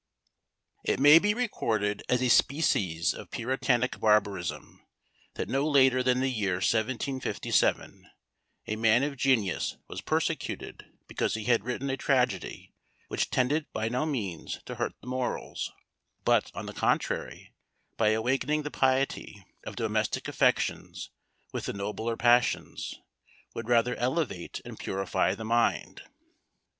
It may be recorded as a species of Puritanic barbarism, that no later than the year 1757, a man of genius was persecuted because he had written a tragedy which tended by no means to hurt the morals; but, on the contrary, by awakening the piety of domestic affections with the nobler passions, would rather elevate and purify the mind.